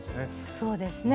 そうですね。